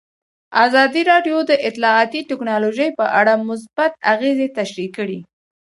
ازادي راډیو د اطلاعاتی تکنالوژي په اړه مثبت اغېزې تشریح کړي.